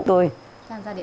đang ra điện biên